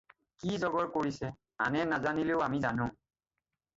কি জগৰ কৰিছে, আনে নাজানিলেও আমি জানো।